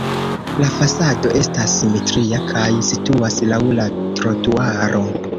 La fasado estas simetria kaj situas laŭ la trotuaro.